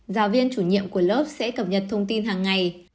giáo viên chủ nhiệm của lớp sẽ cập nhật thông tin hàng ngày